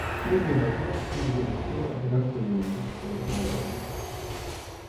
Мы имеем возможность видеть это в силу африканского генетического разнообразия.